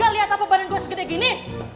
gak lihat apa badan gua segede gini